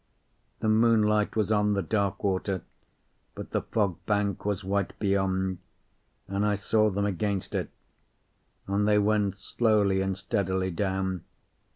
The moonlight was on the dark water, but the fog bank was white beyond, and I saw them against it; and they went slowly and steadily down.